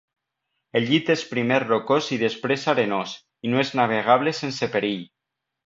El llit és primer rocós i després arenós, i no és navegable sense perill.